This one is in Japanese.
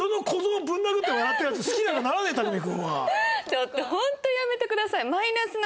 ちょっとホントやめてください。